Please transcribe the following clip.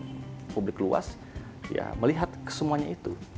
mengingatkan kekuatan kekuatan yang lebih luas melihat semuanya itu